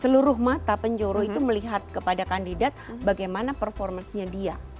seluruh mata penjuru itu melihat kepada kandidat bagaimana performasinya dia